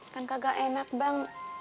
kan kagak enak bang